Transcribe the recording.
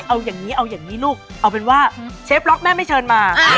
อะไรเอาอย่างนี้ลูกเอาเป็นว่าเชฟล็อกแม่ไม่เชิญมา